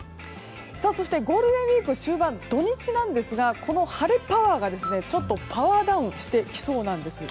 そして、ゴールデンウィーク終盤土日なんですがこの晴れパワーがちょっとパワーダウンしてきそうなんです。